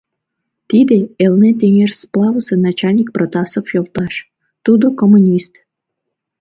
Тиде — Элнет эҥер сплавысе начальник Протасов йолташ, тудо коммунист.